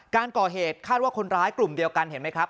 การก่อเหตุคาดว่าคนร้ายกลุ่มเดียวกันเห็นไหมครับ